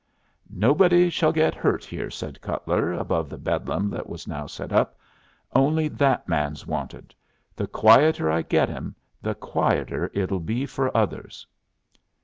"Nobody shall get hurt here," said Cutler, above the bedlam that was now set up. "Only that man's wanted. The quieter I get him, the quieter it'll be for others."